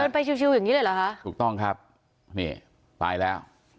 ไปชิวอย่างงี้เลยเหรอคะถูกต้องครับนี่ไปแล้ว